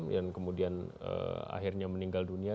yang kemudian akhirnya meninggal dunia